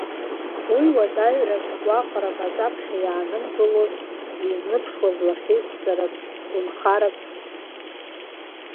Уи уадаҩрак, гәаҟрак аҿаԥхьа иаанымгылоз, изнымԥшуаз лахьеиқәҵарак, гәынхарак.